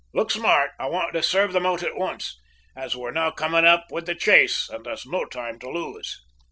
Look smart; I want to serve them out at once, as we're now coming up with the chase, and there's no time to lose."